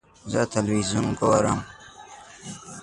زه تلویزیون ګورم